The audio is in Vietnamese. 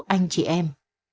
anh chị em